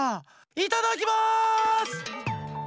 いただきます！